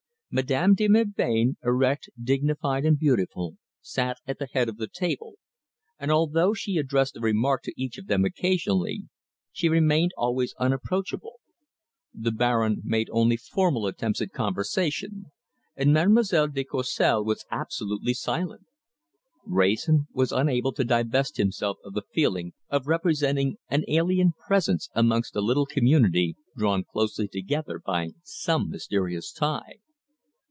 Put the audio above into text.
Madame de Melbain; erect; dignified, and beautiful, sat at the head of the table, and although she addressed a remark to each of them occasionally, she remained always unapproachable. The Baron made only formal attempts at conversation, and Mademoiselle de Courcelles was absolutely silent. Wrayson was unable to divest himself of the feeling of representing an alien presence amongst a little community drawn closely together by some mysterious tie.